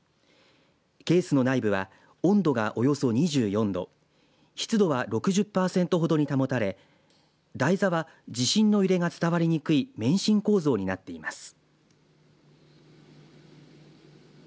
ケースの内部は温度がおよそ２４度湿度は６０パーセントほどに保たれ台座は地震の揺れが伝わりにくい免震構造になっています。